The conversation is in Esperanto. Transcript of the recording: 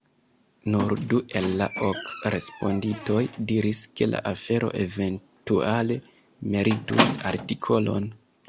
Nur du el la ok respondintoj diris, ke la afero eventuale meritus artikolon.